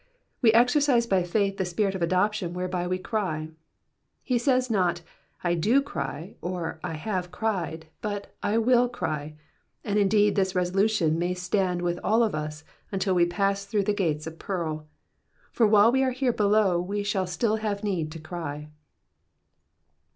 We exercise by faith the spirit of adoption whereby we cry. He says not I do cry, or I have cried, but I will cry, and indeed, this resolution may stand with all of us until we pass through the gates of nearl ; for while we are here below we shall still have need to cry.